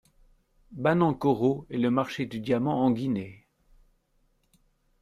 Banankoro est le marché du diamant en Guinée.